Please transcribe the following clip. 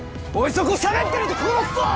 そこしゃべってると殺すぞ！